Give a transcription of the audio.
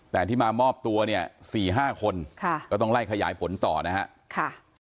แต่ที่มามอบตัวเนี่ย๔๕คนก็ต้องไล่ขยายผลต่อนะฮะ